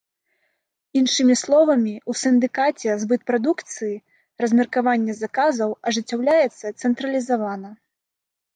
Іншымі словамі, у сіндыкаце збыт прадукцыі, размеркаванне заказаў ажыццяўляецца цэнтралізавана.